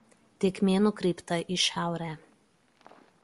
Tėkmė nukreipta į šiaurę.